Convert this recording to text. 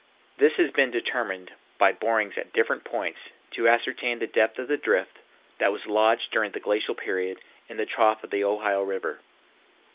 This has been determined by borings at different points to ascertain the depth of the drift that was lodged during the glacial period in the trough of the Ohio River.